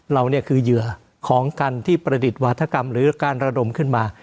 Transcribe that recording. เราเนี่ยคือเหยื่อของกันที่ประดิษฐ์วาธกรรมหรือการระดมขึ้นมา